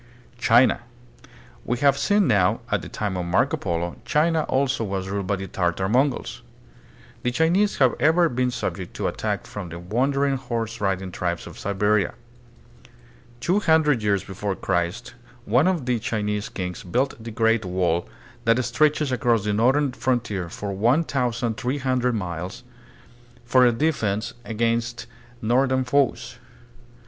China. We have seen how, at the time of Marco Polo, China also was ruled by the Tartar Mongols. The EUROPE AND THE FAR EAST ABOUT 1400 A.D. 57 Chinese have ever been subject to attack from the wan dering horse riding tribes of Siberia. Two hundred years before Christ one of the Chinese kings built the Great Wall that stretches across the northern frontier for one thousand three hundred miles, for a defense against north ern foes.